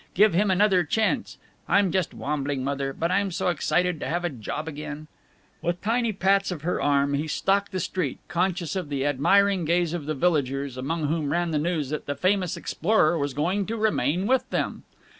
Give him another chance.... I'm just wambling, Mother, but I'm so excited at having a job again " With tiny pats of her arm, he stalked the street, conscious of the admiring gaze of the villagers, among whom ran the news that the famous explorer was going to remain with them.